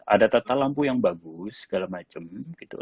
ada tata lampu yang bagus segala macam gitu